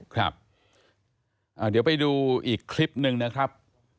ครับเดี๋ยวไปดูอีกคลิปหนึ่งนะครับ